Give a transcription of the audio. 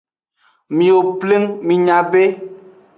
Miwo pleng minya be.